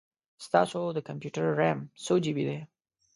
ستاسو د کمپیوټر رم څو جې بې دی؟